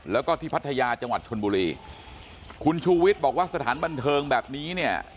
แล้วก็ที่พัทยาจังหวัดชนบุรีคุณชูวิทย์บอกว่าสถานบันเทิงแบบนี้เนี่ย